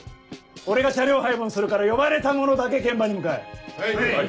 俺が車両配分するから呼ばれた者だけ現場に向かえ。